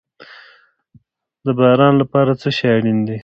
د باران لپاره څه شی اړین دي؟